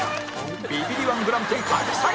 ビビリ −１ グランプリ開催